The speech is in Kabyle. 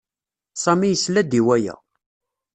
Sami yesla-d i waya.